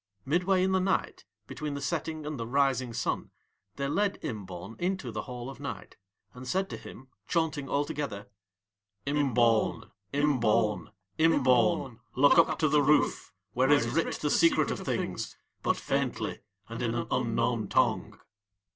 Midway in the night, between the setting and the rising sun, they led Imbaun into the Hall of Night, and said to him, chaunting altogether: "Imbaun, Imbaun, Imbaun, look up to the roof, where is writ The Secret of Things, but faintly, and in an unknown tongue."